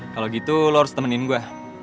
kalau gitu lo harus temenin gue